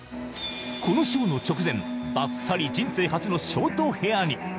このショーの直前、ばっさり人生初のショートヘアに。